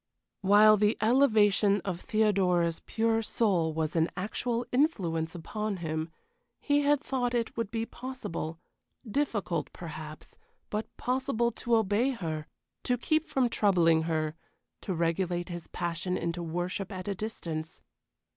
While the elevation of Theodora's pure soul was an actual influence upon him, he had thought it would be possible difficult, perhaps but possible to obey her to keep from troubling her to regulate his passion into worship at a distance.